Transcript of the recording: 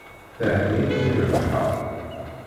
Thenna-iyi-d mi rebḥeɣ.